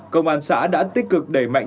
công an xã đã tích cực đẩy mạnh